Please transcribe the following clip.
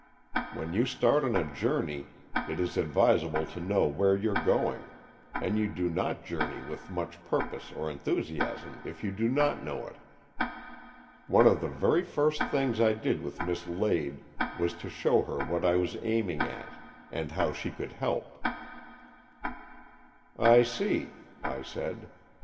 When you start on a journey, it is advisable to know where you're going, and you do not journey with much purpose or enthusiasm if you do not know it. One of the very first things I did with Miss Lade was to show her what I was aiming at, and how she could help." AN EXCHANGE OF SOULS 73 "'I see," I said.